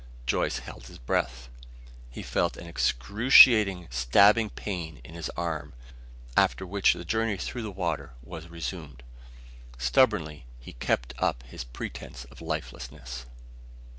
Joyce held his breath. He felt an excruciating, stabbing pain in his arm, after which the journey through the water was resumed. Stubbornly he kept up his pretence of lifelessness.